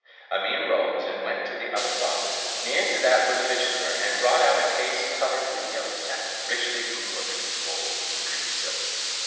Amene rose, and went into another closet, near to that where the bitches were, and brought out a case covered with yellow satin, richly embroidered with gold and green silk.